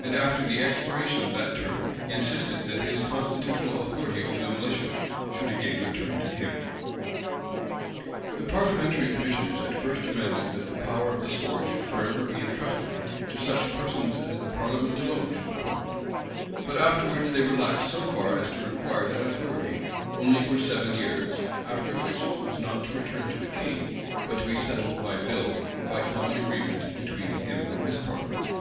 And after the expiration of that term, he insisted that his constitutional authority over the militia should again return to him.[*] The parliamentary commissioners at first demanded, that the power of the sword should forever be intrusted to such persons as the parliament alone should appoint:[] but afterwards they relaxed so far as to require that authority only for seven years; after which it was not to return to the king but to be settled by bill, or by common agreement between him and his parliament.